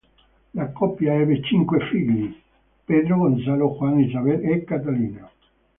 La coppia ebbe cinque figli: Pedro, Gonzalo, Juan, Isabel e Catalina.